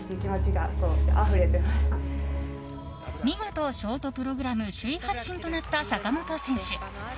見事、ショートプログラム首位発進となった坂本選手。